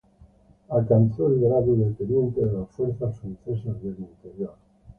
Alcanzó el grado de teniente de las Fuerzas Francesas del Interior.